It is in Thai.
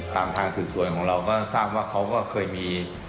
ทางทางสืบสวนของเราก็ทราบว่าเขาก็เคยมี